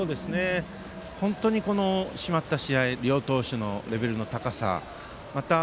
本当に締まった試合両投手のレベルの高さ。